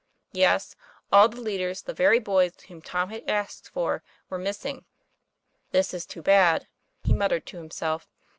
Yes, all the leaders, the very boys whom Tom had asked for, were missing. " This is too bad, " he muttered to himself.